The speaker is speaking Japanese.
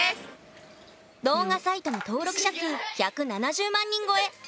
動画サイトの登録者数１７０万人超え！